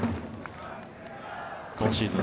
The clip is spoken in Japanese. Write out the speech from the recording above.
今シーズン